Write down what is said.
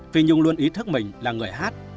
phi nhung luôn ý thức mình là người hát